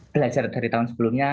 belajar dari tahun sebelumnya